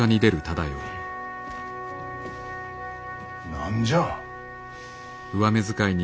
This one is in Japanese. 何じゃ？